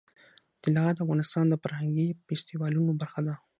طلا د افغانستان د فرهنګي فستیوالونو برخه ده.